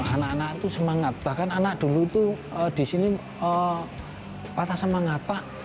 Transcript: anak anak itu semangat bahkan anak dulu itu di sini patah semangat pak